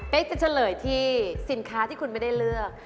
เป็นจะเฉลยที่สินค้าที่คุณไม่ได้เลือก